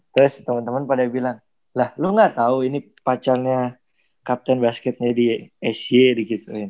terus temen temen pada bilang lah lu gak tau ini pacarnya captain basketnya di sj dikit dikit